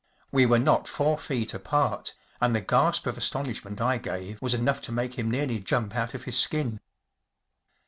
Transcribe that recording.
We were not four feet apart, and the gasp of astonish¬ ment I gave was enough to make him nearly jump out of his skin.